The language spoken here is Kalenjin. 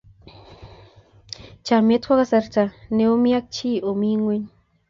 chamiet ko kasarta ne omi ak chi omi nyweng'